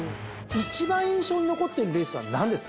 一番印象に残っているレースは何ですか？